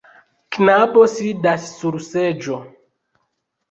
Knabo sidas sur seĝo.